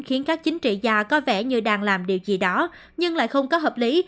khiến các chính trị gia có vẻ như đang làm điều gì đó nhưng lại không có hợp lý